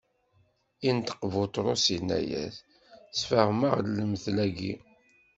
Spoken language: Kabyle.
Inṭeq Buṭrus, inna-as: Sefhem-aɣ-d lemtel-agi.